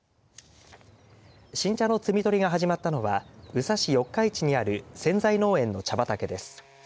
新茶の摘み取りが始まったのは宇佐市四日市にある千財農園の茶畑です。